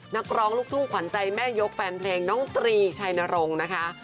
นักร้องลูกทุ่งขวัญใจแม่ยกแฟนเพลงน้องตรีชัยนรงค์นะคะ